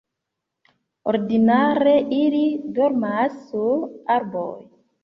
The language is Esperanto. Ordinare ili dormas sur arboj.